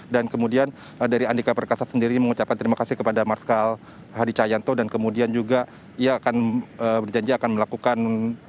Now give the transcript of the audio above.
dan kemudian juga dia akan berjanji akan melakukan